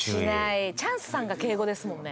チャンスさんが敬語ですもんね。